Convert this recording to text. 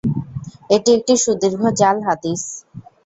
এটি একটি সুদীর্ঘ জাল হাদীস।